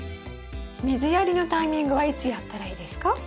水やりのタイミングはいつやったらいいですか？